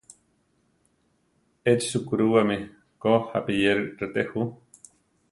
Échi sukúruwami ko japi iyéri reté jú.